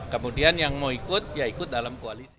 kemudian yang mau ikut ya ikut dalam koalisi